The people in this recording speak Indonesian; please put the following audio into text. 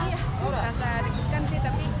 iya perasaan dekat sih tapi